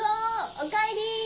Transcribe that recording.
おかえり！